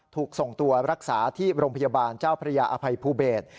ถูกส่งตัวรักษาที่โรงพยาบาลเจ้าพระยาอภัยภูเบศ